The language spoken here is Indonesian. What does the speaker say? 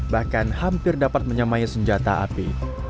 bahkan hampir dapat menyamai senjata api